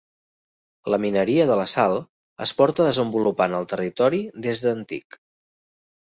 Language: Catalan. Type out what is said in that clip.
La mineria de la sal es porta desenvolupant al territori des d’antic.